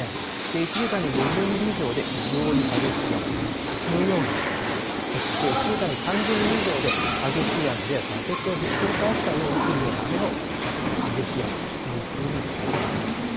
１時間に５０ミリ以上で非常に激しい雨、滝のような雨、そして、１時間に３０ミリ以上で激しい雨で、バケツをひっくり返したように降るような雨を激しい雨というふうにいいます。